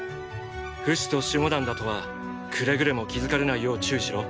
フシと守護団だとはくれぐれも気付かれないよう注意しろ。